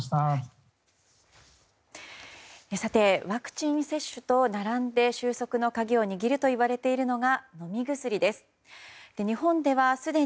さて、ワクチン接種と並んで収束の鍵を握るといわれているのが飲み薬です。